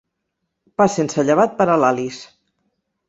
Pa sense llevat per a l'Alice.